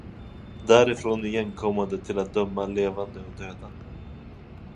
därifrån igenkommande till att döma levande och döda.